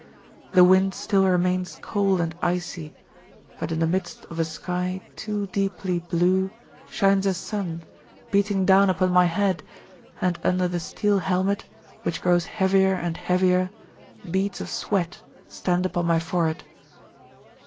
The wind still remains cold and icy, but in the midst of a sky too deeply blue shines a sun, beating down upon my head, and under the steel helmet, which grows heavier and heavier, beads of sweat stand upon my forehead.